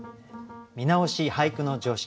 「見直し『俳句の常識』」